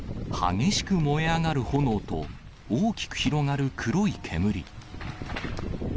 激しく燃え上がる炎と、大きく広がる黒い煙。